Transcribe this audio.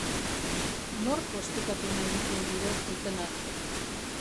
Nork ostikatu nahi ditu nire zuzenak?